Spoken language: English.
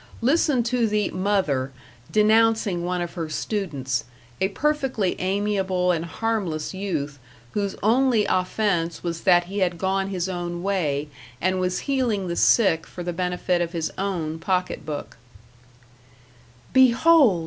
Listen to the Mother, denouncing one of her students a perfectly amiable and harmless youth whose only offense was that he had gone his own way and was healing the sick for the benefit of his own pocket book: Behold!